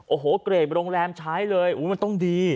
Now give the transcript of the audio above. โอ้โหเกรดโรงแรมใช้เลยมันต้องดี